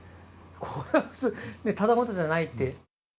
これはただ事じゃないって。